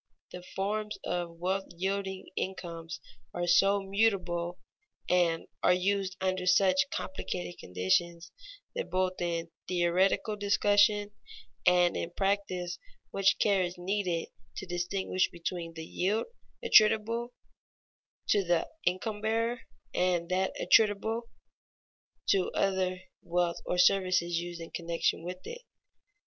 _ The forms of wealth yielding incomes are so mutable, and are used under such complicated conditions, that both in theoretical discussion and in practice much care is needed to distinguish between the yield attributable to the income bearer, and that attributable to other wealth or services used in connection with it.